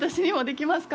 できます。